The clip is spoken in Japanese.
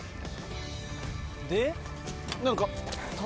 で何か。